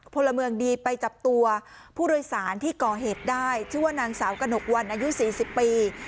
พลเมืองดีไปจับตัวผู้โดยสารที่ก่อเหตุได้ชื่อว่านางสาวกระหนกวันอายุ๔๐ปี